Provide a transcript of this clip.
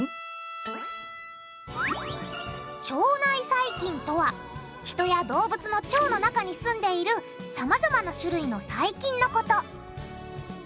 腸内細菌とは人や動物の腸の中に住んでいるさまざまな種類の細菌のこと